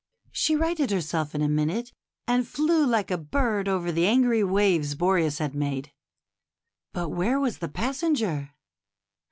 She righted herself in a minute, and flew like a bird over the angry waves Boreas had made ; but where was the passenger